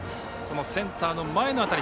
センターの前への当たり。